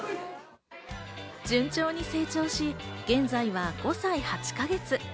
順調に成長し、現在は５歳８か月。